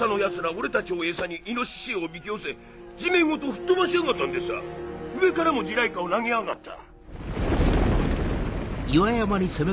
俺たちを餌に猪をおびき寄せ地面ごとふっ飛ばしやがったんでさ上からも地雷火を投げやがった。